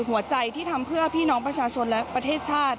หัวใจที่ทำเพื่อพี่น้องประชาชนและประเทศชาติ